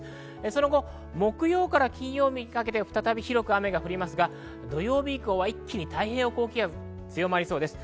その後、木曜から金曜日にかけて再び広く雨が降りますが土曜日以降は一気に太平洋高気圧が強まりそうです。